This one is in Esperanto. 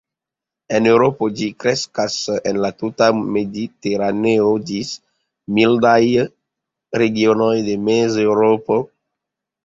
En Eŭropo ĝi kreskas en la tuta mediteraneo ĝis mildaj regionoj de Mezeŭropo.